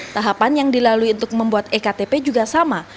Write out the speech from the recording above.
tahapan yang dilalui untuk membuat ektp juga sama